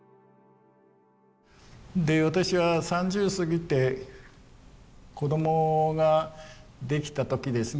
私は３０過ぎて子供ができた時ですね。